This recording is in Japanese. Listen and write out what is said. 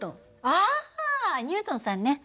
あニュートンさんね。